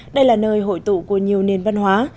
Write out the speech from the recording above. đây là nơi hội tụ của nhiều nền văn hóa